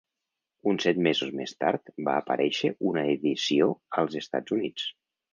Uns set mesos més tard va aparèixer una edició als Estats Units.